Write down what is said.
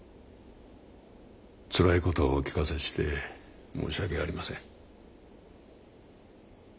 つらいことをお聞かせして申し訳ありません。